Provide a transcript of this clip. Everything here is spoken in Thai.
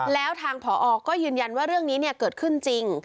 แล้วทางผอก็ยืนยันว่าเรื่องนี้เกิดขึ้นจริง